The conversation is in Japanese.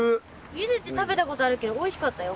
ゆでて食べたことあるけどおいしかったよ。